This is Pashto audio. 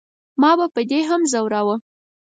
ما به په دې هم زوراوه.